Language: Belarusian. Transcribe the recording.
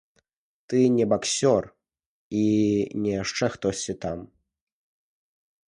Ты не баксёр і не яшчэ хтосьці там!